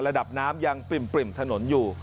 ระดับน้ำยังปริ่มถนนอยู่